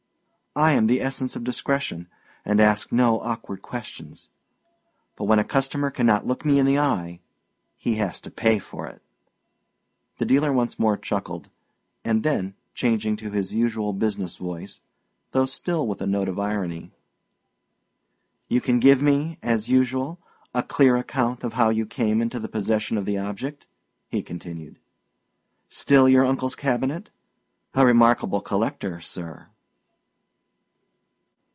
I am the essence of discretion, and ask no awkward questions; but when a customer cannot look me in the eye, he has to pay for it." The dealer once more chuckled; and then, changing to his usual business voice, though still with a note of irony, "You can give, as usual, a clear account of how you came into the possession of the object?" he continued. "Still your uncle's cabinet? A remarkable collector, sir!"